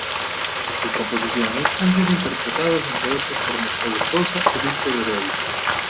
Sus composiciones han sido interpretados entre otros por Mercedes Sosa y Víctor Heredia.